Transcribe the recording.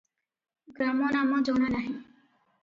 ଗ୍ରାମ ନାମ ଜଣା ନାହିଁ ।